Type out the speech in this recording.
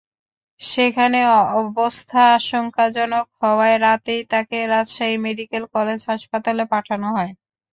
সেখানে অবস্থা আশঙ্কাজনক হওয়ায় রাতেই তাঁকে রাজশাহী মেডিকেল কলেজ হাসপাতালে পাঠানো হয়।